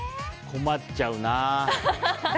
困っちゃうな。